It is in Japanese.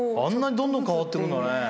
あんなにどんどん変わってくんだね。